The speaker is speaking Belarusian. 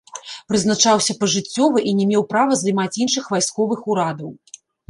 Прызначаўся пажыццёва і не меў права займаць іншых вайсковых урадаў.